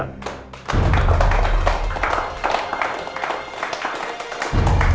kasi tepuk tangan buat dia